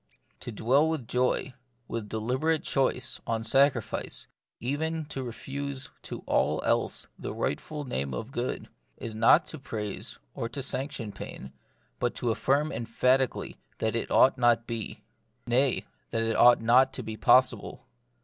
To dwell with joy, with deliberate choice, on sacrifice, even to refuse to all else the right ful name of good, is not to praise or to sanc tion pain, but to affirm emphatically that it ought not to be ; nay, that it ought not to be possible.